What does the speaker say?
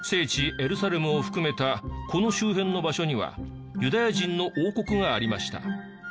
エルサレムを含めたこの周辺の場所にはユダヤ人の王国がありました。